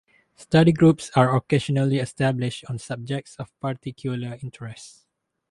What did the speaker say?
Study groups are occasionally established on subjects of particular interest.